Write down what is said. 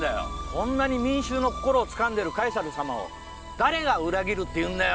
こんなに民衆の心をつかんでるカエサル様を誰が裏切るっていうんだよ！